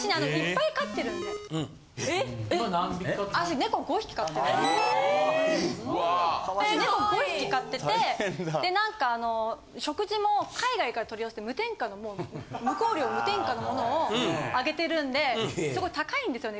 ・猫５匹飼っててでなんか食事も海外から取り寄せる無添加の無香料・無添加のものをあげてるんで高いんですよね